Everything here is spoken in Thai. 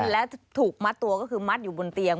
และถูกมัดตัวก็คือมัดอยู่บนเตียง